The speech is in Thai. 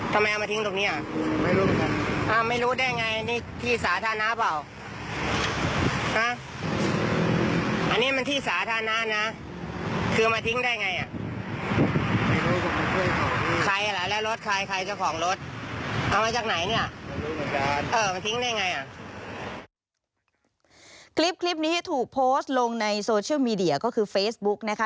คลิปนี้ถูกโพสต์ลงในโซเชียลมีเดียก็คือเฟซบุ๊กนะคะ